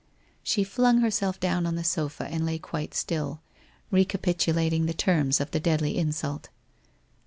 . She flung herself down on the sofa and lay quite still, recapitulating the terms of the deadly insult.